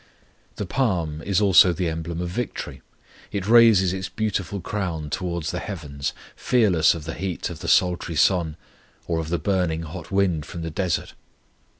The palm is also the emblem of victory; it raises its beautiful crown towards the heavens, fearless of the heat of the sultry sun, or of the burning hot wind from the desert.